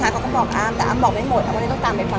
ร้านแรกก็เพื่อนอ้ำมันไม่รู้ก็เพื่อนอ้ำไม่ได้ไป